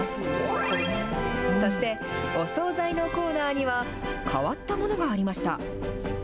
そしてお総菜のコーナーには、変わったものがありました。